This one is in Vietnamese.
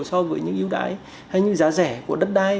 so với những yếu đái hay những giá rẻ của đất đai